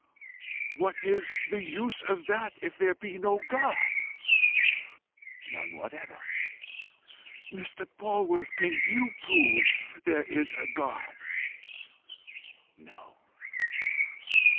"What is the use of that if there be no God?" "None whatever." "Mr. Polwarth, can you prove there is a God?" "No."